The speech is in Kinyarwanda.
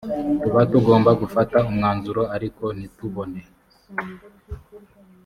tuba tugomba gufata umwanzuro ariko ntitubone